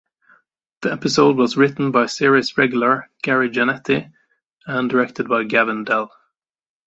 The episode was written by series regular Gary Janetti, and directed by Gavin Dell.